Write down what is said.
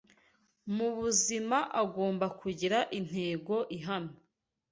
mu buzima agomba kugira intego ihamye